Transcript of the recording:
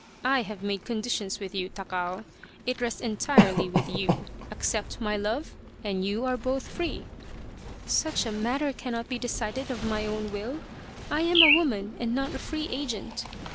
I have made conditions with you, Takao. It rests entirely with you. Accept my love and you are both free." " Such a matter cannot be decided of my own will. I am a woman and not a free agent.